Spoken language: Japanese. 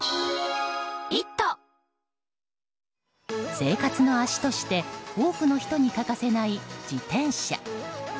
生活の足として多くの人に欠かせない自転車。